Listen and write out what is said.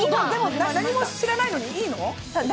でも何も知らないのにいいの？